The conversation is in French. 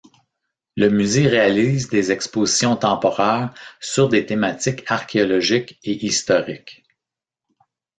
Le musée réalise des expositions temporaires sur des thématiques archéologiques et historiques.